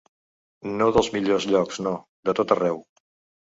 No dels millors llocs no, de tot arreu.